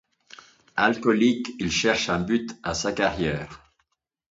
Alcoolique, il cherche un but à sa carrière.